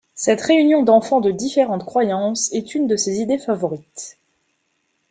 Cette réunion d'enfants de différentes croyances est une de ses idées favorites.